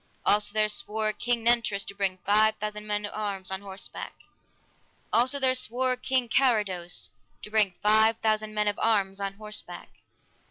Also there swore King Nentres to bring five thousand men of arms on horseback. Also there swore King Carados to bring five thousand men of arms on horseback.